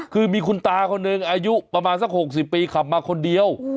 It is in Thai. คือมีคุณตาคนหนึ่งอายุประมาณสัก๖๐ปีขับมาคนเดียว